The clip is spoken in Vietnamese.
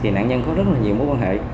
thì nạn nhân có rất là nhiều mối quan hệ